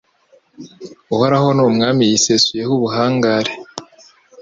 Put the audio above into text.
Uhoraho ni Umwami yisesuyeho ubuhangare